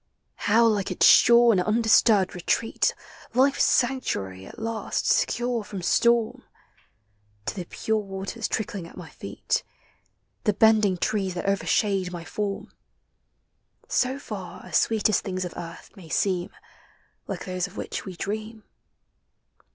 How like its sure and undisturbed retreat — Life's sanctuary at last, secure from storm — To the pure waters trickling at my feet, The bending trees that overshade my form ! So far as sweetest things of earth may seem Like those of which we dream.